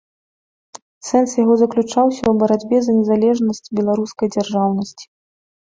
Сэнс яго заключаўся ў барацьбе за незалежнасць беларускай дзяржаўнасці.